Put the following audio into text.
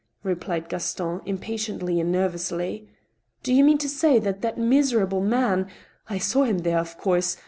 replied Gaston, im patiently and nervously ; *'do you mean to say that that miserable man, ... I saw him there, of course.